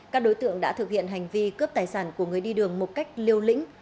các đối tượng đã thực hiện hành vi cướp tài sản của người đi đường một cách liêu lĩnh